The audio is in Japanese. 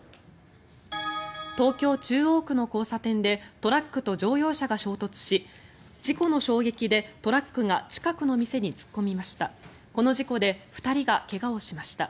東京・中央区の交差点でトラックと乗用車が衝突し事故の衝撃でトラックが近くの店に突っ込みました。